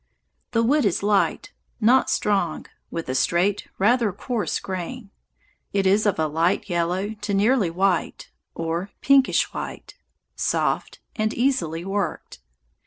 The wood is light, not strong, with a straight, rather coarse grain. It is of a light yellow to nearly white, or pinkish white, soft, and easily worked.